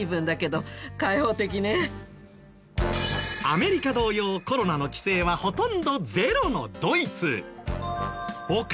アメリカ同様コロナの規制はほとんどゼロのドイツ。